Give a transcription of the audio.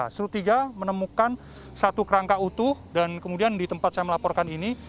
seru tiga menemukan satu kerangka utuh dan kemudian di tempat saya melaporkan ini